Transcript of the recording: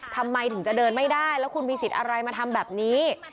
ทำไมถึงจะเดินไม่ได้แล้วคุณมีสิทธิ์อะไรมาทำแบบนี้